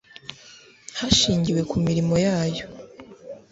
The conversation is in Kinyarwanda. hashingiwe ku mirimo yayo